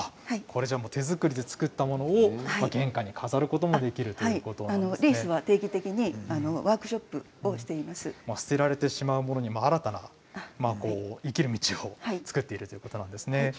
手作りで作ったものを玄関に飾ることもできるというリースは定期的に捨てられてしまうものに新たな生きる道を作っているということなんですね。